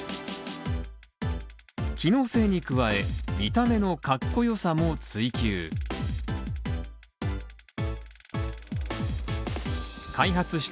機能性に加え、見た目の格好良さも追求した。